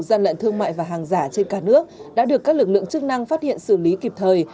gian lận thương mại và hàng giả trên cả nước đã được các lực lượng chức năng phát hiện xử lý kịp thời